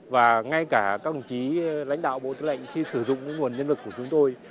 và ngay cả các đồng chí lãnh đạo bộ tư lệnh khi sử dụng nguồn nhân lực của chúng tôi